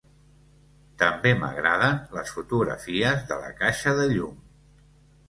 També m'agraden les fotografies de la caixa de llum.